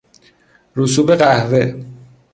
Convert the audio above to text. رسوب قهوه